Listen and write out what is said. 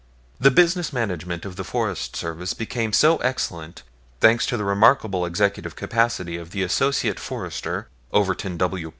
The business management of the Forest Service became so excellent, thanks to the remarkable executive capacity of the Associate Forester, Overton W.